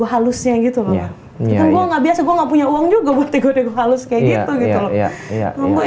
halusnya gitu ya iya gue nggak biasa gua nggak punya uang juga buat tegur halus kayak gitu ya